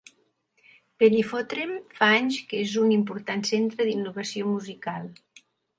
Benifotrem fa anys que és un important centre d'innovació musical.